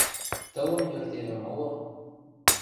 Тылым йӧртевӹ моло.